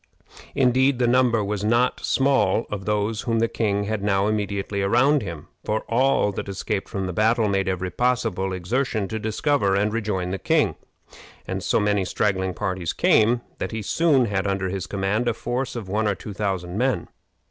Indeed, the number was not small of those whom the king had now immediately around him, for all that escaped from the battle made every possible exertion to discover and rejoin the king, and so many straggling parties came that he soon had under his command a force of one or two thousand men.